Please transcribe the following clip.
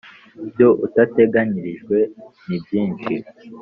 byo utateganyirijwe nibyishi.